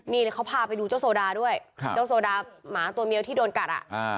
นี่เขาพาไปดูเจ้าโซดาด้วยเจ้าโซดาหมาตัวเมียวที่โดนกัดอ่ะ